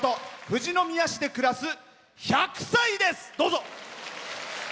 富士市で暮らす１００歳です。